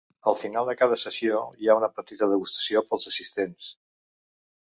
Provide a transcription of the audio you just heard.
Al final de cada sessió, hi ha una petita degustació pels assistents.